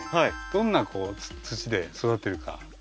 どんな土で育ってるか？